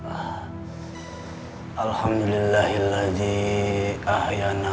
assalamualaikum warahmatullahi wabarakatuh